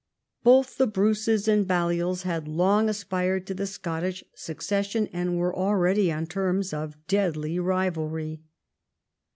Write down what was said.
Both the Bruces and Balliols had long aspired to the Scottish succession, and were already on terms of deadly rivalry.